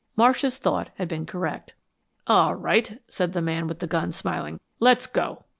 Marsh's thought had been correct. "All right," said the man with the gun, smiling. "Let's go."